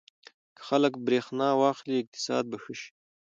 که خلک برېښنا واخلي اقتصاد به ښه شي.